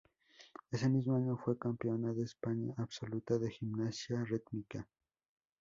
Ese mismo año fue campeona de España absoluta de gimnasia rítmica.